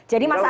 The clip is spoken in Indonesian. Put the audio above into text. jadi mas ad